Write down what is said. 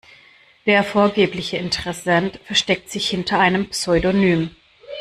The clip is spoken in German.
Der vorgebliche Interessent versteckt sich hinter einem Pseudonym.